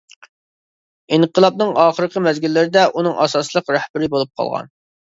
ئىنقىلابنىڭ ئاخىرقى مەزگىللىرىدە، ئۇنىڭ ئاساسلىق رەھبىرى بولۇپ قالغان.